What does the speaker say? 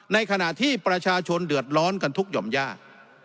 ในขณะที่ประชาชนเดือดร้อนกันทุกหย่อมยาก